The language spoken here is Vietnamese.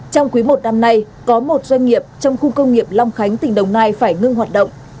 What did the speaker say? trong quý i năm nay có một doanh nghiệp trong khu công nghiệp long khánh tỉnh đồng nai phải ngưng hoạt động